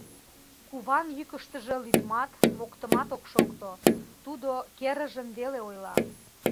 Куван йӱкыштыжӧ лӱдмат, моктымат ок шокто, тудо керыжым веле ойла.